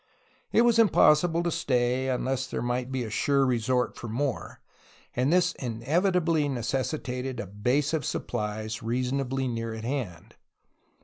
It was impossible to stay, unless there might be a sure resort for more, and this inevitably necessitated a base of supplies reasonably near at hand.